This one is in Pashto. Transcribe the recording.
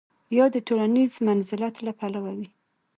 یا د ټولنیز منزلت له پلوه وي.